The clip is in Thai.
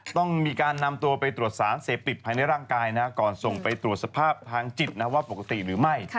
ต้องมีการนำตัวไปตรวจสารเสพติดภายในร่างกายนะก่อนส่งไปตรวจสภาพทางจิตนะว่าปกติหรือไม่